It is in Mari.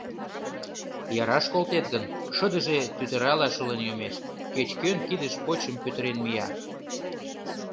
Яраш колтет гын, шыдыже тӱтырала шулен йомеш, кеч-кӧн кидыш почым пӱтырен мия.